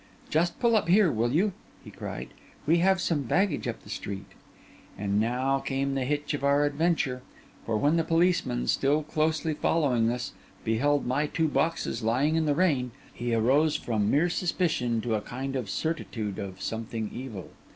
'Just pull up here, will you?' he cried. 'We have some baggage up the street.' And now came the hitch of our adventure; for when the policeman, still closely following us, beheld my two boxes lying in the rain, he arose from mere suspicion to a kind of certitude of something evil.